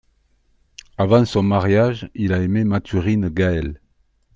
Avant son mariage, il a aimé Mathurine Gaël.